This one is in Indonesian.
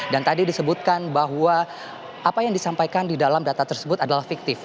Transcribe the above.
dan tadi disebutkan bahwa apa yang disampaikan di dalam data tersebut adalah fiktif